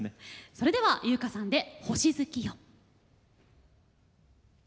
それでは由薫さんで「星月夜」。